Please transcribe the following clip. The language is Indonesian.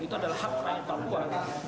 itu adalah hak rakyat papua